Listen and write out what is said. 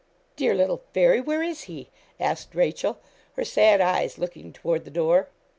'Dear little Fairy where is he?' asked Rachel, her sad eyes looking toward the door.